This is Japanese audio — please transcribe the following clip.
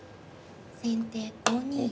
先手５二竜。